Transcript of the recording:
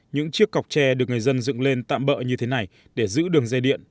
những chiếc cọc tre được người dân dựng lên tạm bỡ như thế này để giữ đường dây điện